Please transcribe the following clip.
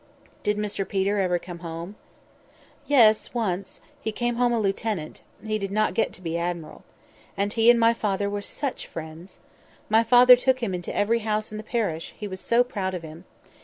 "Did Mr Peter ever come home?" "Yes, once. He came home a lieutenant; he did not get to be admiral. And he and my father were such friends! My father took him into every house in the parish, he was so proud of him.